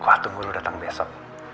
gua tunggu lo datang besok